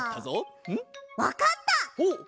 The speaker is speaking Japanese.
わかった！